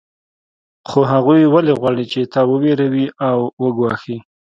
خو هغوی ولې غواړي چې تا وویروي او وګواښي